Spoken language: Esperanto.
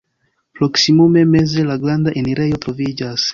Proksimume meze la granda enirejo troviĝas.